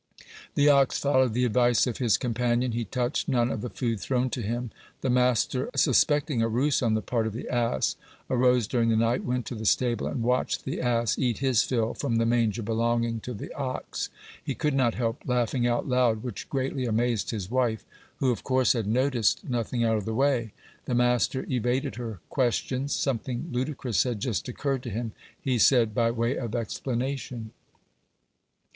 The ox followed the advice of his companion. He touched none of the food thrown to him. The master, suspecting a ruse on the part of the ass, arose during the night, went to the stable, and watched the ass eat his fill from the manger belonging to the ox. He could not help laughing out loud, which greatly amazed his wife, who, of course, had noticed nothing out of the way. The master evaded her questions. Something ludicrous had just occurred to him, he said by way of explanation.